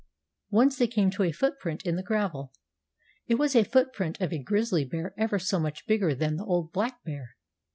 Once they came to a footprint in the gravel. It was a footprint of a grizzly bear ever so much bigger than the old black bear.